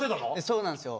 そうなんすよ。